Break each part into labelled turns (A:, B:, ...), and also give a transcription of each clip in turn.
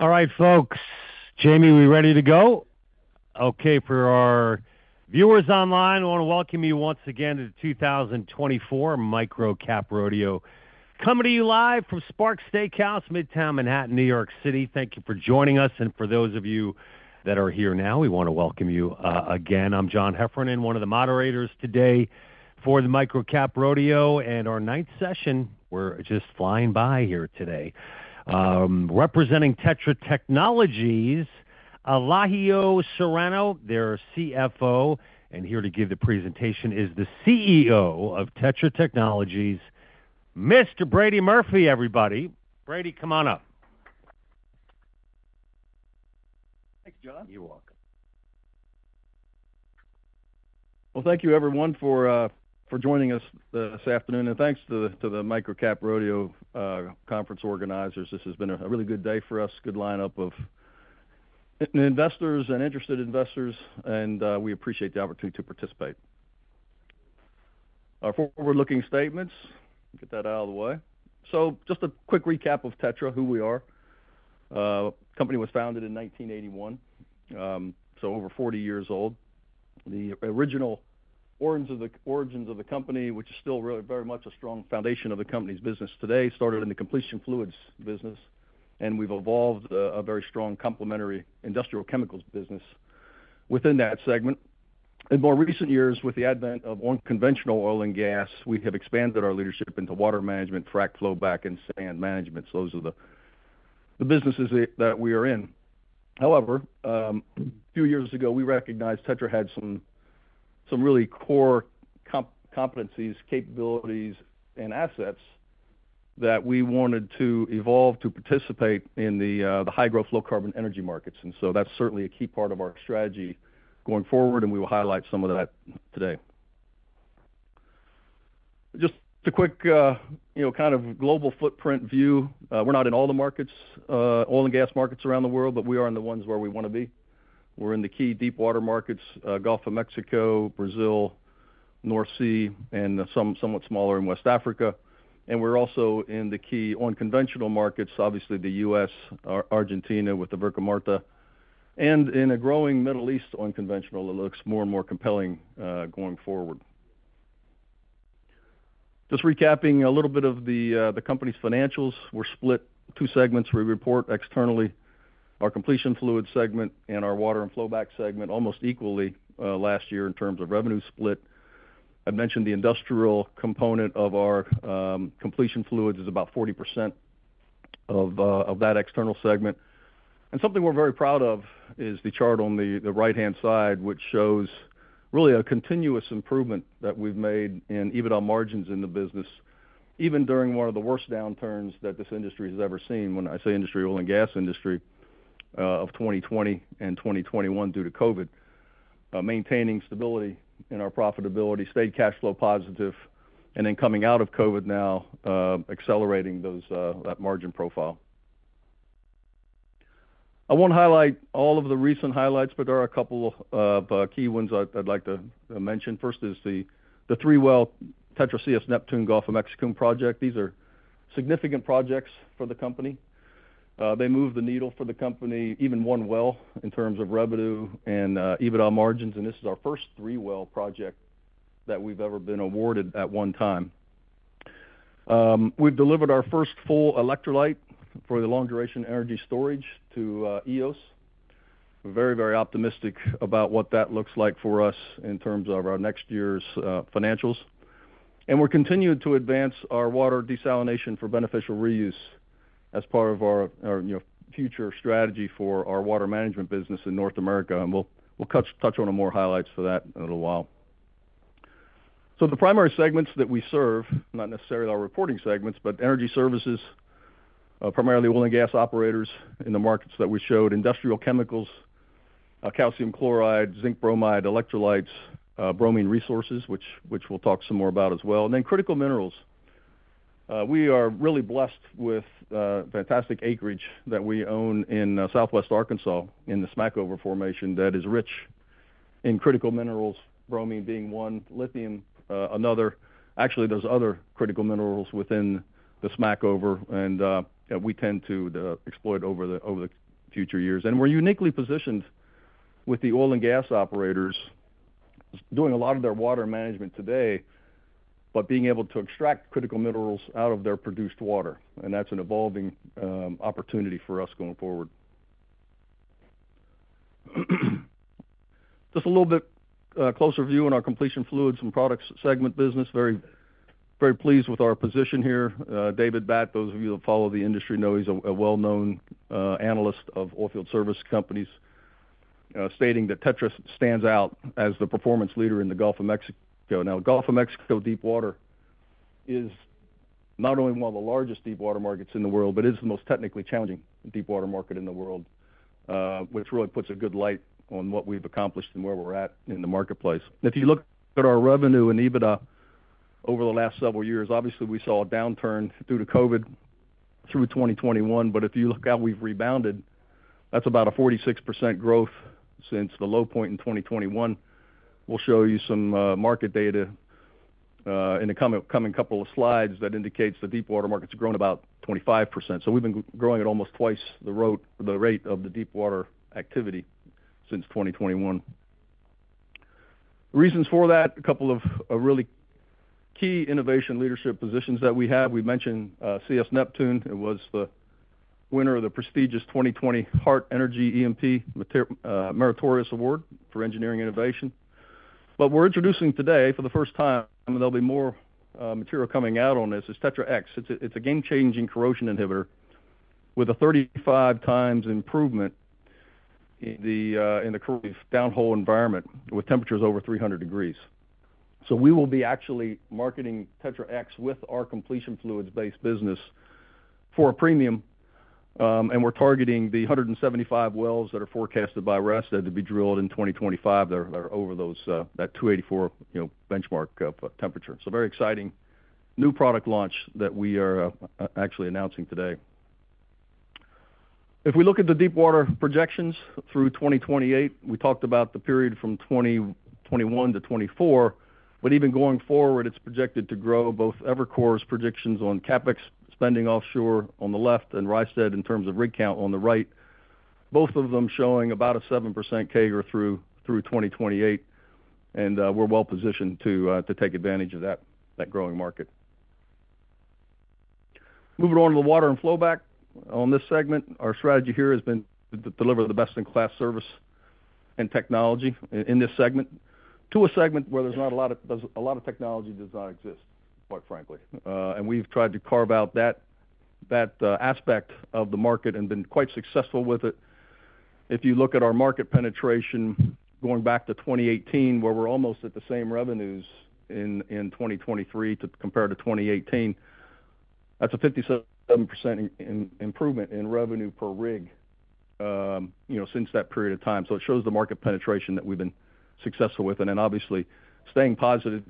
A: All right, folks. Jamie, we ready to go? Okay, for our viewers online, I want to welcome you once again to the 2024 MicroCap Rodeo. Coming to you live from Sparks Steak House, Midtown Manhattan, New York City. Thank you for joining us, and for those of you that are here now, we want to welcome you, again. I'm John Heffern, and one of the moderators today for the MicroCap Rodeo and our ninth session. We're just flying by here today. Representing TETRA Technologies, Elijio Serrano, their CFO, and here to give the presentation is the CEO of TETRA Technologies, Mr. Brady Murphy, everybody. Brady, come on up.
B: Thanks, John.
A: You're welcome.
B: Thank you, everyone, for joining us this afternoon, and thanks to the MicroCap Rodeo conference organizers. This has been a really good day for us, good lineup of investors and interested investors, and we appreciate the opportunity to participate. Our forward-looking statements, get that out of the way. Just a quick recap of TETRA, who we are. Company was founded in 1981, so over 40 years old. The original origins of the company, which is still really very much a strong foundation of the company's business today, started in the completion fluids business, and we've evolved a very strong complementary industrial chemicals business within that segment. In more recent years, with the advent of unconventional oil and gas, we have expanded our leadership into water management, frac flowback, and sand management. So those are the businesses that we are in. However, a few years ago, we recognized TETRA had some really core competencies, capabilities, and assets that we wanted to evolve to participate in the high-growth, low-carbon energy markets. And so that's certainly a key part of our strategy going forward, and we will highlight some of that today. Just a quick, you know, kind of global footprint view. We're not in all the markets, oil and gas markets around the world, but we are in the ones where we wanna be. We're in the key deepwater markets, Gulf of Mexico, Brazil, North Sea, and somewhat smaller in West Africa. And we're also in the key unconventional markets, obviously, the US, Argentina, with the Vaca Muerta, and in a growing Middle East unconventional. It looks more and more compelling going forward. Just recapping a little bit of the company's financials. We're split two segments. We report externally our completion fluid segment and our water and flowback segment, almost equally last year in terms of revenue split. I mentioned the industrial component of our completion fluids is about 40% of that external segment. And something we're very proud of is the chart on the right-hand side, which shows really a continuous improvement that we've made in EBITDA margins in the business, even during one of the worst downturns that this industry has ever seen. When I say industry, oil and gas industry, of twenty twenty and twenty twenty-one, due to COVID. Maintaining stability in our profitability, stayed cash flow positive, and then coming out of COVID now, accelerating those, that margin profile. I won't highlight all of the recent highlights, but there are a couple of, key ones I'd like to mention. First is the three-well TETRA CS Neptune Gulf of Mexico project. These are significant projects for the company. They move the needle for the company, even one well, in terms of revenue and, EBITDA margins. And this is our first three-well project that we've ever been awarded at one time. We've delivered our first full electrolyte for the long-duration energy storage to, Eos. We're very, very optimistic about what that looks like for us in terms of our next year's financials. And we're continuing to advance our water desalination for beneficial reuse as part of our you know, future strategy for our water management business in North America. And we'll touch on more highlights for that in a little while. So the primary segments that we serve, not necessarily our reporting segments, but energy services, primarily oil and gas operators in the markets that we showed. Industrial chemicals, calcium chloride, zinc bromide, electrolytes, bromine resources, which we'll talk some more about as well. And then critical minerals. We are really blessed with fantastic acreage that we own in Southwest Arkansas, in the Smackover Formation, that is rich in critical minerals, bromine being one, lithium, another. Actually, there's other critical minerals within the Smackover, and yeah, we tend to exploit over the future years. And we're uniquely positioned with the oil and gas operators, doing a lot of their water management today, but being able to extract critical minerals out of their produced water. And that's an evolving opportunity for us going forward. Just a little bit closer view on our completion fluids and products segment business. Very, very pleased with our position here. David Bat, those of you who follow the industry know he's a well-known analyst of oilfield service companies stating that TETRA stands out as the performance leader in the Gulf of Mexico. Now, Gulf of Mexico deepwater is not only one of the largest deepwater markets in the world, but it is the most technically challenging deepwater market in the world, which really puts a good light on what we've accomplished and where we're at in the marketplace. If you look at our revenue and EBITDA over the last several years, obviously, we saw a downturn due to COVID through 2021, but if you look how we've rebounded, that's about a 46% growth since the low point in 2021. We'll show you some market data in the coming couple of slides that indicates the deepwater market's grown about 25%. So we've been growing at almost twice the rate of the deepwater activity since 2021. The reasons for that, a couple of really key innovation leadership positions that we have. We mentioned CS Neptune. It was the winner of the prestigious 2020 Hart Energy Meritorious Award for Engineering Innovation. What we're introducing today, for the first time, and there'll be more material coming out on this, is TETRA X. It's a game-changing corrosion inhibitor with a 35 times improvement in the corrosive downhole environment, with temperatures over 300 degrees. So we will be actually marketing TETRA X with our completion fluids-based business for a premium, and we're targeting the 175 wells that are forecasted by Rystad to be drilled in 2025, that are over those, that 284, you know, benchmark temperature. So very exciting new product launch that we are actually announcing today. If we look at the deepwater projections through 2028, we talked about the period from 2021 to 2024, but even going forward, it's projected to grow both Evercore's predictions on CapEx spending offshore on the left, and Rystad, in terms of rig count on the right, both of them showing about a 7% CAGR through 2028, and we're well positioned to take advantage of that growing market. Moving on to the water and flowback. On this segment, our strategy here has been to deliver the best-in-class service and technology in this segment, to a segment where a lot of technology does not exist, quite frankly, and we've tried to carve out that aspect of the market and been quite successful with it. If you look at our market penetration going back to 2018, where we're almost at the same revenues in 2023 to compare to 2018, that's a 57% improvement in revenue per rig, you know, since that period of time, so it shows the market penetration that we've been successful with, and then obviously staying positive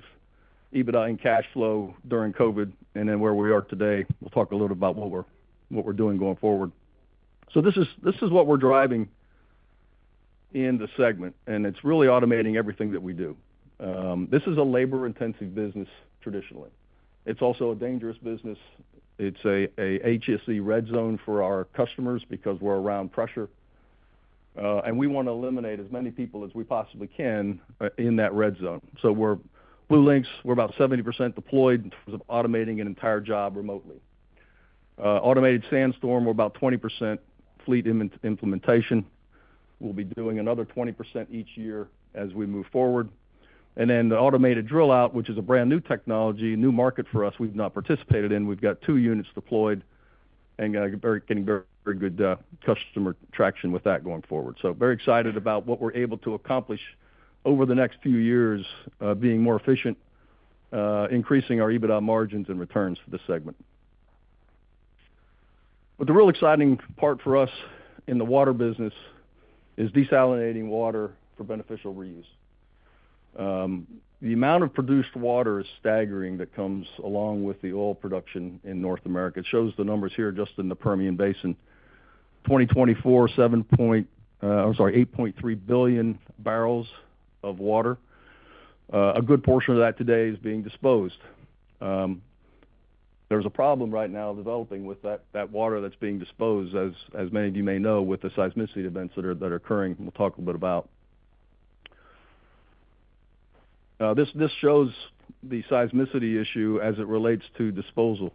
B: EBITDA and cash flow during COVID, and then where we are today. We'll talk a little about what we're doing going forward, so this is what we're driving in the segment, and it's really automating everything that we do. This is a labor-intensive business, traditionally. It's also a dangerous business. It's a HSE red zone for our customers because we're around pressure, and we wanna eliminate as many people as we possibly can in that red zone. So we're BlueLinx, we're about 70% deployed in terms of automating an entire job remotely. Automated SandStorm, we're about 20% fleet implementation. We'll be doing another 20% each year as we move forward. And then the Automated Drillout, which is a brand-new technology, new market for us, we've not participated in. We've got two units deployed and getting very good customer traction with that going forward. So very excited about what we're able to accomplish over the next few years, being more efficient, increasing our EBITDA margins and returns for this segment. But the real exciting part for us in the water business is desalinating water for beneficial reuse. The amount of produced water is staggering, that comes along with the oil production in North America. It shows the numbers here, just in the Permian Basin, 2024, 8.3 billion barrels of water. A good portion of that today is being disposed. There's a problem right now developing with that water that's being disposed, as many of you may know, with the seismicity events that are occurring, and we'll talk a bit about. This shows the seismicity issue as it relates to disposal.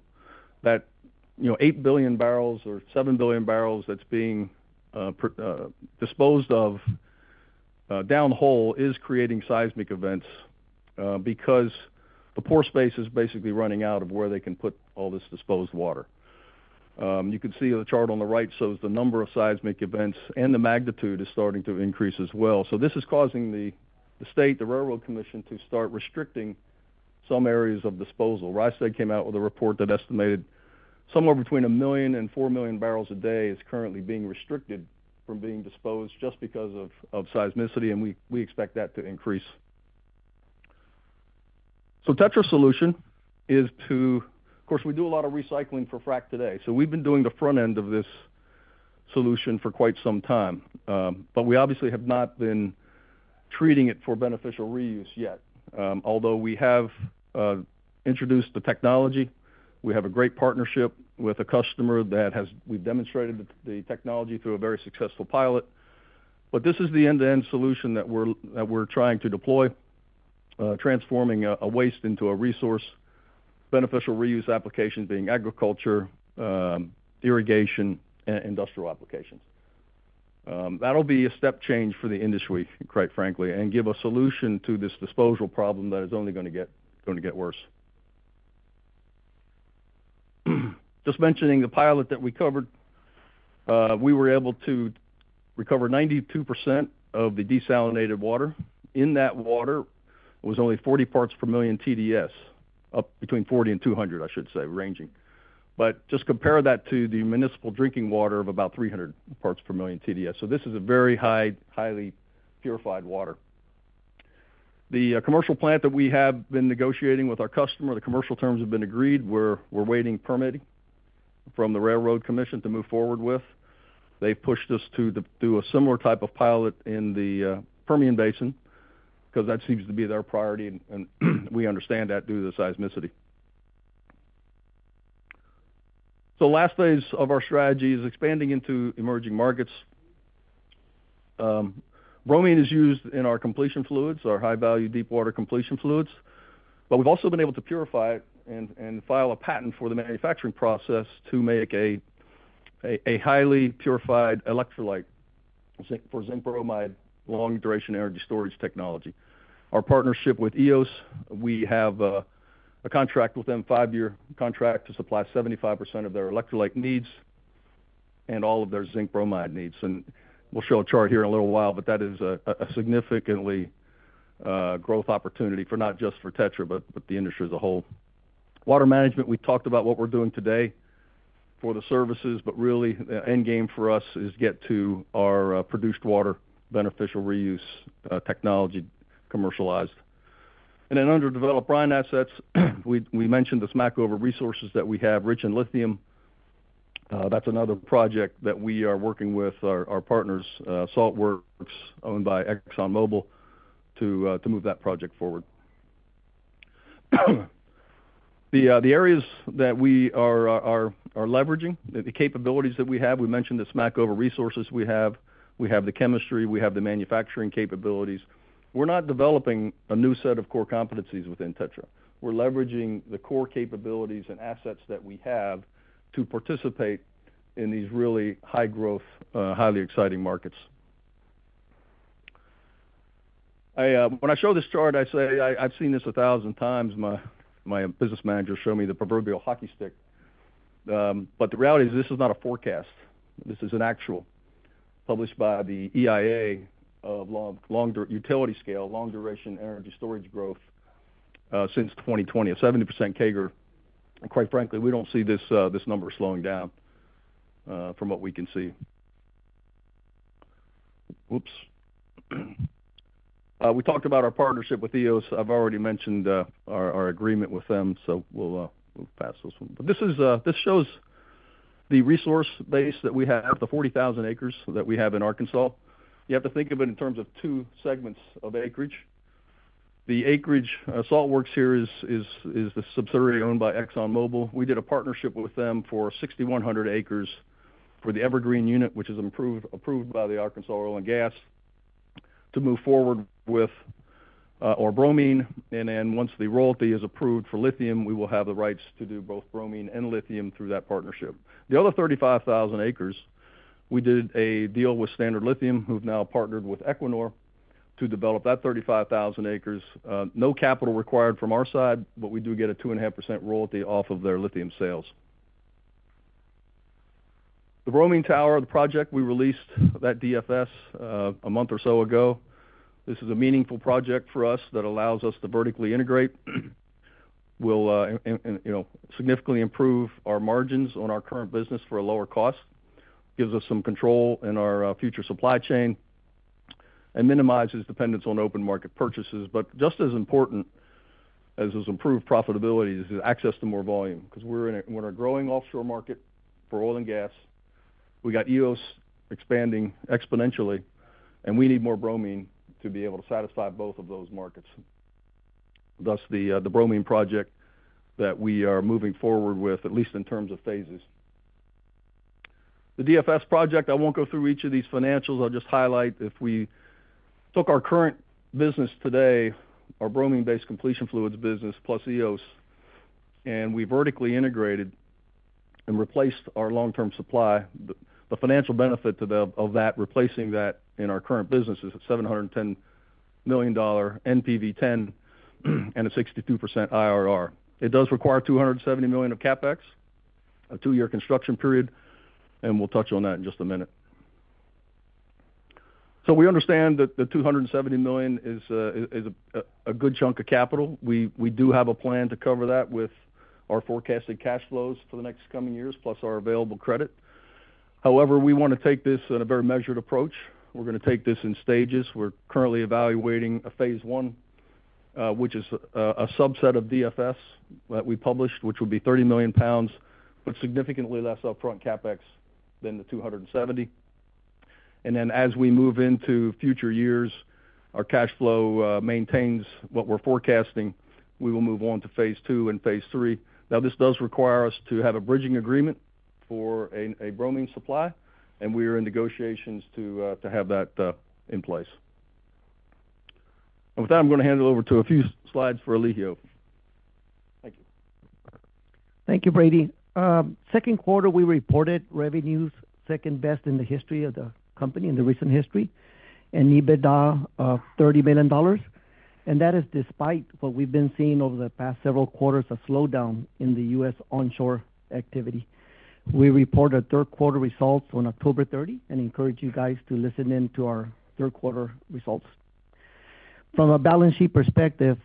B: That, you know, 8 billion barrels or 7 billion barrels that's being disposed of down the hole is creating seismic events because the pore space is basically running out of where they can put all this disposed water. You can see the chart on the right shows the number of seismic events, and the magnitude is starting to increase as well. So this is causing the state, the Railroad Commission, to start restricting some areas of disposal. Rystad came out with a report that estimated somewhere between a million and four million barrels a day is currently being restricted from being disposed just because of seismicity, and we expect that to increase. So TETRA's solution is to... Of course, we do a lot of recycling for frack today, so we've been doing the front end of this solution for quite some time. But we obviously have not been treating it for beneficial reuse yet. Although we have introduced the technology, we have a great partnership with a customer that has. We've demonstrated the technology through a very successful pilot. But this is the end-to-end solution that we're trying to deploy, transforming a waste into a resource. Beneficial reuse applications being agriculture, irrigation, and industrial applications. That'll be a step change for the industry, quite frankly, and give a solution to this disposal problem that is only gonna get worse. Just mentioning the pilot that we covered, we were able to recover 92% of the desalinated water. In that water was only 40 parts per million TDS, up between 40 and 200, I should say, ranging. But just compare that to the municipal drinking water of about 300 parts per million TDS. So this is a very high, highly purified water. The commercial plant that we have been negotiating with our customer, the commercial terms have been agreed. We're waiting permitting from the Railroad Commission to move forward with. They've pushed us to do a similar type of pilot in the Permian Basin, 'cause that seems to be their priority, and we understand that due to the seismicity. So last phase of our strategy is expanding into emerging markets. Bromine is used in our completion fluids, our high-value, deepwater completion fluids, but we've also been able to purify it and file a patent for the manufacturing process to make a highly purified electrolyte, zinc bromide, long-duration energy storage technology. Our partnership with Eos, we have a contract with them, five-year contract, to supply 75% of their electrolyte needs and all of their zinc bromide needs. And we'll show a chart here in a little while, but that is a significantly growth opportunity for not just for TETRA, but the industry as a whole. Water management, we talked about what we're doing today for the services, but really, the end game for us is get to our produced water beneficial reuse technology commercialized. And then underdeveloped brine assets, we mentioned the Smackover resources that we have, rich in lithium. That's another project that we are working with our partners, Saltwerx, owned by ExxonMobil, to move that project forward. The areas that we are leveraging, the capabilities that we have, we mentioned the Smackover resources we have. We have the chemistry, we have the manufacturing capabilities. We're not developing a new set of core competencies within TETRA. We're leveraging the core capabilities and assets that we have to participate in these really high-growth, highly exciting markets. I... When I show this chart, I say I've seen this a thousand times. My business manager showed me the proverbial hockey stick, but the reality is, this is not a forecast. This is an actual, published by the EIA, of utility scale, long-duration energy storage growth, since 2020, a 70% CAGR, and quite frankly, we don't see this number slowing down from what we can see. We talked about our partnership with Eos. I've already mentioned our agreement with them, so we'll pass this one, but this shows the resource base that we have, the 40,000 acres that we have in Arkansas. You have to think of it in terms of two segments of acreage. The acreage, Saltwerx here is the subsidiary owned by ExxonMobil. We did a partnership with them for sixty-one hundred acres for the Evergreen Unit, which is approved by the Arkansas Oil and Gas, to move forward with our bromine. Then, once the royalty is approved for lithium, we will have the rights to do both bromine and lithium through that partnership. The other thirty-five thousand acres, we did a deal with Standard Lithium, who've now partnered with Equinor, to develop that thirty-five thousand acres. No capital required from our side, but we do get a 2.5% royalty off of their lithium sales. The bromine tower, the project, we released that DFS a month or so ago. This is a meaningful project for us that allows us to vertically integrate. Will, you know, significantly improve our margins on our current business for a lower cost, gives us some control in our, future supply chain, and minimizes dependence on open market purchases. But just as important as this improved profitability is the access to more volume, 'cause we're in a growing offshore market for oil and gas. We got Eos expanding exponentially, and we need more bromine to be able to satisfy both of those markets. Thus, the bromine project that we are moving forward with, at least in terms of phases. The DFS project, I won't go through each of these financials. I'll just highlight, if we took our current business today, our bromine-based completion fluids business, plus Eos, and we vertically integrated and replaced our long-term supply, the financial benefit of that, replacing that in our current business is a $710 million NPV10, and a 62% IRR. It does require $270 million of CapEx, a two-year construction period, and we'll touch on that in just a minute. So we understand that the $270 million is a good chunk of capital. We do have a plan to cover that with our forecasted cash flows for the next coming years, plus our available credit. However, we wanna take this in a very measured approach. We're gonna take this in stages. We're currently evaluating a phase one, which is a subset of DFS that we published, which will be thirty million pounds, but significantly less upfront CapEx than the two hundred and seventy. And then, as we move into future years, our cash flow maintains what we're forecasting, we will move on to phase two and phase three. Now, this does require us to have a bridging agreement for a bromine supply, and we are in negotiations to have that in place. And with that, I'm gonna hand it over to a few slides for Elijio. Thank you.
C: Thank you, Brady. Q2, we reported revenues, second best in the history of the company, in the recent history, and EBITDA of $30 million. And that is despite what we've been seeing over the past several quarters, a slowdown in the U.S. onshore activity. We report our Q3 results on October 30, and encourage you guys to listen in to our Q3 results. From a balance sheet perspective,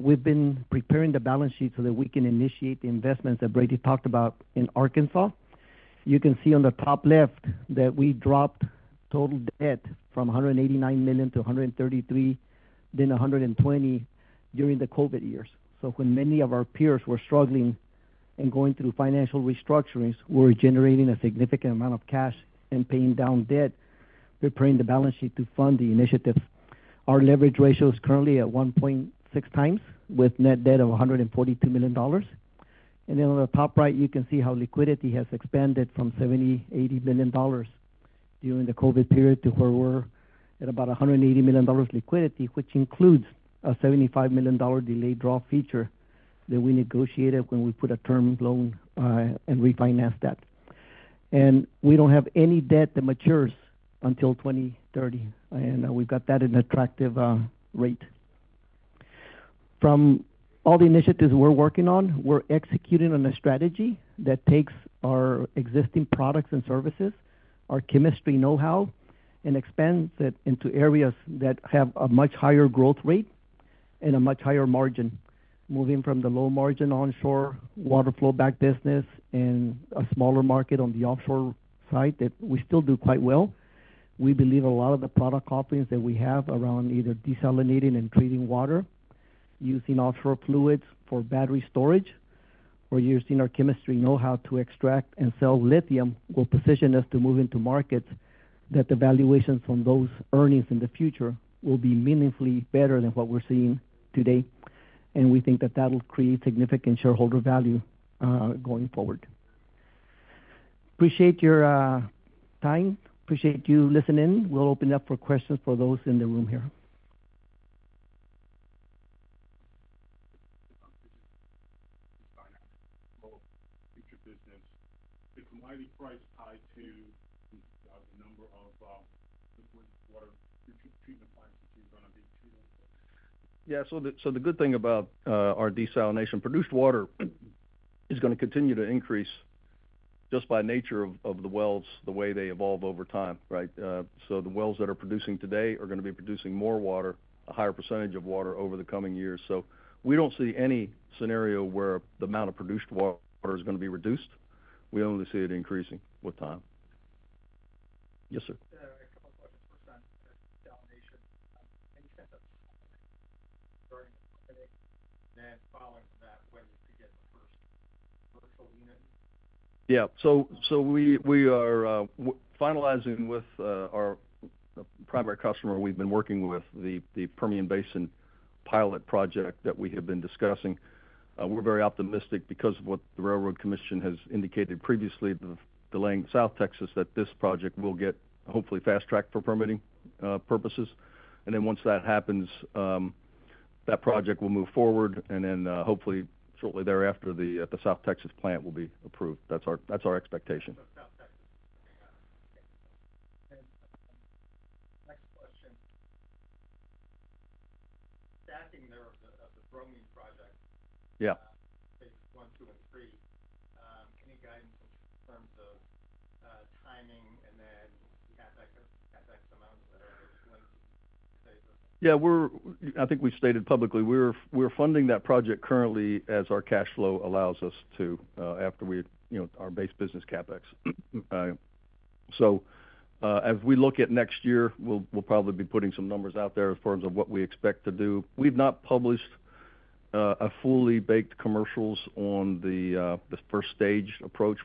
C: we've been preparing the balance sheet so that we can initiate the investments that Brady talked about in Arkansas. You can see on the top left that we dropped total debt from $189 million to $133 million, then $120 million during the COVID years. So when many of our peers were struggling and going through financial restructurings, we're generating a significant amount of cash and paying down debt. We're leveraging the balance sheet to fund the initiative. Our leverage ratio is currently at 1.6 times, with net debt of $142 million. Then on the top right, you can see how liquidity has expanded from $70-$80 million during the COVID period to where we're at about $180 million liquidity, which includes a $75 million delayed draw feature that we negotiated when we put a term loan and refinanced that. We don't have any debt that matures until 2030, and we've got that at an attractive rate. From all the initiatives we're working on, we're executing on a strategy that takes our existing products and services, our chemistry know-how, and expands it into areas that have a much higher growth rate and a much higher margin, moving from the low margin onshore water flowback business and a smaller market on the offshore side that we still do quite well. We believe a lot of the product offerings that we have around either desalinating and treating water, using offshore fluids for battery storage, or using our chemistry know-how to extract and sell lithium, will position us to move into markets that the valuations from those earnings in the future will be meaningfully better than what we're seeing today, and we think that that will create significant shareholder value, going forward. Appreciate your time. Appreciate you listening. We'll open up for questions for those in the room here. Future business. Is market price tied to the number of liquid water treatment plants that you're going to be treating?
B: Yeah, so the good thing about our desalination, produced water is going to continue to increase just by nature of the wells, the way they evolve over time, right? So the wells that are producing today are going to be producing more water, a higher percentage of water over the coming years. So we don't see any scenario where the amount of produced water is going to be reduced. We only see it increasing with time. Yes, sir. I have a couple of questions for on desalination. Any sense of, during the committee, then following that, when you get the first commercial unit? Yeah. So we are finalizing with our primary customer. We've been working with the Permian Basin pilot project that we have been discussing. We're very optimistic because of what the Railroad Commission has indicated previously, the delaying South Texas, that this project will get, hopefully, fast-tracked for permitting purposes. And then once that happens, that project will move forward, and then hopefully shortly thereafter, the South Texas plant will be approved. That's our expectation. South Texas. Next question. Background of the bromine project- Yeah. Phase one, two, and three, any guidance in terms of timing and then CapEx amounts that are linked? Yeah, we're. I think we've stated publicly, we're funding that project currently as our cash flow allows us to, after we, you know, our base business CapEx. So, as we look at next year, we'll probably be putting some numbers out there in terms of what we expect to do. We've not published a fully baked commercials on the first stage approach.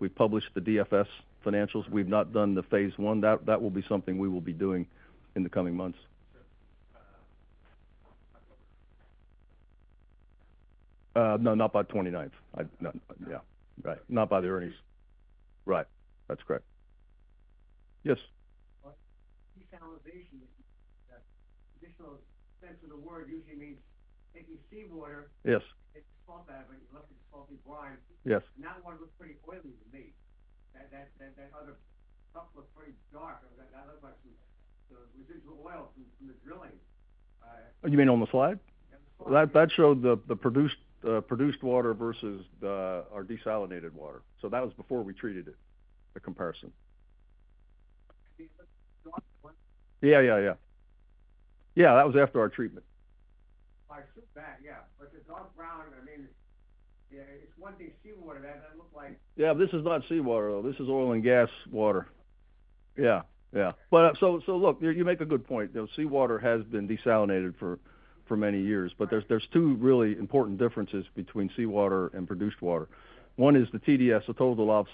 B: We've published the DFS financials. We've not done the phase one. That will be something we will be doing in the coming months. Uh, No, not by twenty-ninth. No. Yeah, right. Not by the earnings. Right. That's correct. Yes? Desalination, traditional sense of the word usually means taking seawater- Yes. It's salt, but you left it salty brine. Yes. That one looks pretty oily to me. That other stuff looks pretty dark. That looks like some the residual oil from the drilling. You mean on the slide? Yeah, on the slide. That showed the produced water versus our desalinated water. So that was before we treated it, the comparison. Yeah, yeah, yeah. Yeah, that was after our treatment. I see that, yeah, but the dark brown, I mean, yeah, it's one thing, seawater, that doesn't look like- Yeah, this is not seawater, though. This is oil and gas water. Yeah, yeah. But so look, you make a good point, though. Seawater has been desalinated for many years, but there's two really important differences between seawater and produced water. One is the TDS. The total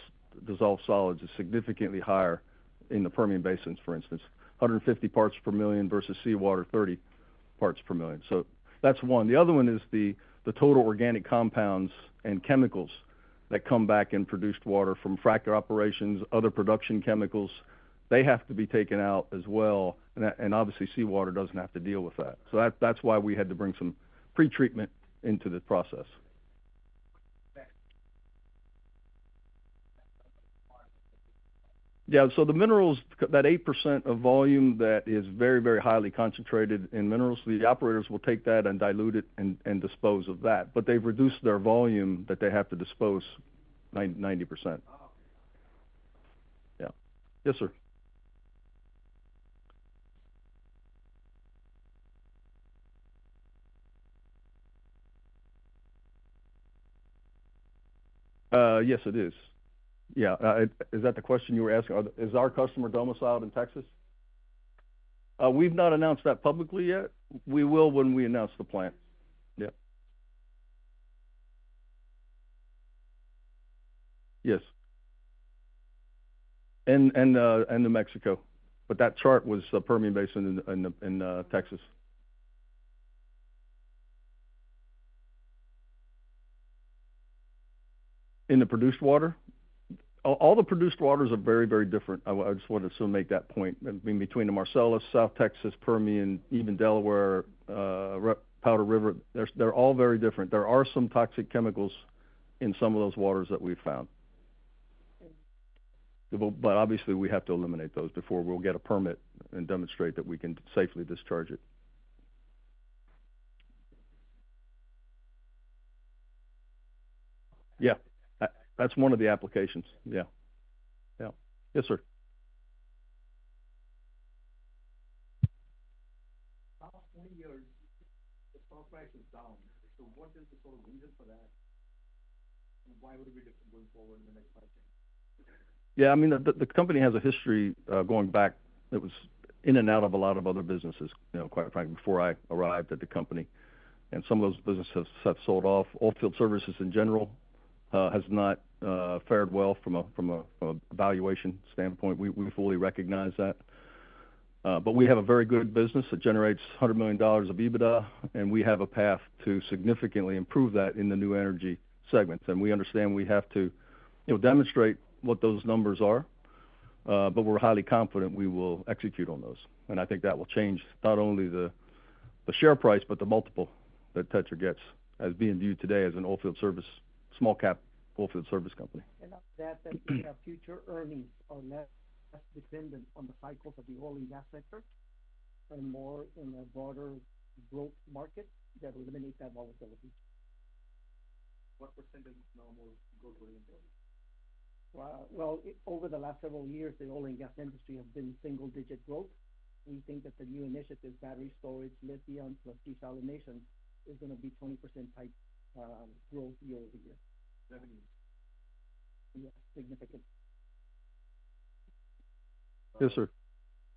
B: dissolved solids is significantly higher in the Permian basins, for instance, 150 parts per million, versus seawater, 30 parts per million. So that's one. The other one is the total organic compounds and chemicals that come back in produced water from fracking operations, other production chemicals, they have to be taken out as well. And obviously, seawater doesn't have to deal with that. So that's why we had to bring some pretreatment into the process. Thanks. Yeah, so the minerals, that 8% of volume that is very, very highly concentrated in minerals, the operators will take that and dilute it and dispose of that, but they've reduced their volume that they have to dispose 90%. Oh, okay. Yeah. Yes, sir. Yes, it is. Yeah. Is that the question you were asking? Is our customer domiciled in Texas? We've not announced that publicly yet. We will when we announce the plan. Yep. Yes. And New Mexico, but that chart was the Permian Basin in Texas. In the produced water? All the produced waters are very different. I just wanted to make that point. I mean, between the Marcellus, South Texas, Permian, even Delaware, Powder River, they're all very different. There are some toxic chemicals in some of those waters that we've found. But obviously, we have to eliminate those before we'll get a permit and demonstrate that we can safely discharge it. Yeah, that's one of the applications. Yeah. Yeah. Yes, sir. About twenty years, the stock price is down. So what is the sort of reason for that, and why would it be different going forward in the next five years? Yeah, I mean, the company has a history going back. It was in and out of a lot of other businesses, you know, quite frankly, before I arrived at the company, and some of those businesses have sold off. Oilfield services in general has not fared well from a valuation standpoint. We fully recognize that, but we have a very good business that generates $100 million of EBITDA, and we have a path to significantly improve that in the new energy segments. And we understand we have to, you know, demonstrate what those numbers are, but we're highly confident we will execute on those. And I think that will change not only the share price, but the multiple that TETRA gets as being viewed today as an oilfield service, small cap oilfield service company.
C: After that, the future earnings are less, less dependent on the cycles of the oil and gas sector, and more in a broader growth market that will eliminate that volatility. What percentage is normal growth oriented? Over the last several years, the oil and gas industry have been single-digit growth. We think that the new initiatives, battery storage, lithium, plus desalination, is gonna be 20% type growth year-over-year. Revenues? Yes, significant.
B: Yes, sir.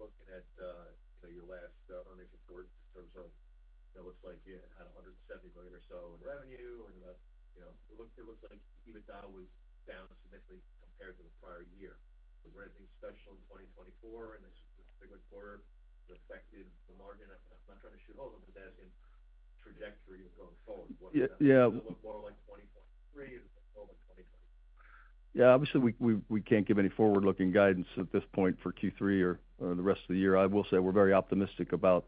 B: Looking at your last earnings report in terms of, it looks like you had $170 million or so in revenue, and you know, it looks like EBITDA was down significantly compared to the prior year. Was there anything special in 2024, and this particular quarter affected the margin? I'm not trying to shoot, but I'm asking trajectory going forward. Yeah. More like 2023 than 2020. Yeah, obviously, we can't give any forward-looking guidance at this point for Q3 or the rest of the year. I will say we're very optimistic about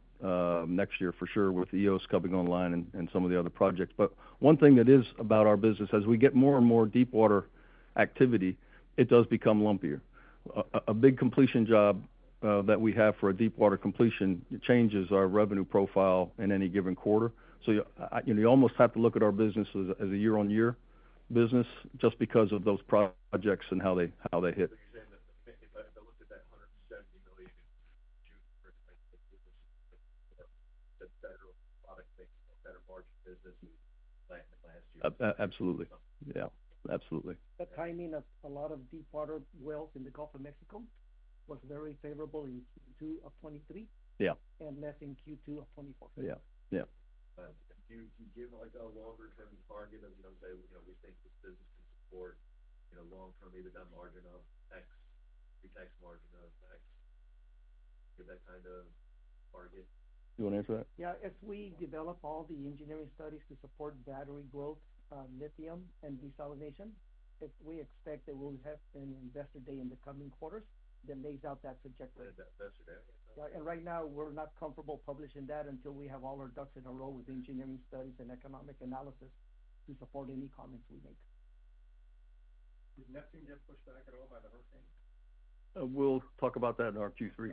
B: next year for sure, with EOS coming online and some of the other projects. But one thing that is about our business, as we get more and more deepwater activity, it does become lumpier. A big completion job that we have for a deepwater completion, it changes our revenue profile in any given quarter. So you know, you almost have to look at our business as a year-on-year business just because of those projects and how they hit. So you're saying that if I look at that $170 million in Q3 better margin business than the last year? Absolutely. Yeah, absolutely.
C: The timing of a lot of deepwater wells in the Gulf of Mexico was very favorable in Q2 of 2023.
B: Yeah.
C: Less in Q2 of 2024.
B: Yeah. Yeah. But do you give, like, a longer-term target of, you know, say, you know, we think this business can support, you know, long-term EBITDA margin of X, pre-tax margin of X? Give that kind of target. You want to answer that?
C: Yeah. If we develop all the engineering studies to support battery growth, lithium and desalination, if we expect that we'll have an Investor Day in the coming quarters, then lays out that trajectory. Investor Day? Right, and right now, we're not comfortable publishing that until we have all our ducks in a row with engineering studies and economic analysis to support any comments we make. Did nothing get pushed back at all by the hurricane?
B: We'll talk about that in our Q3.